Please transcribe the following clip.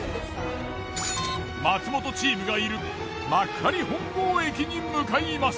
松本チームがいる幕張本郷駅に向かいます。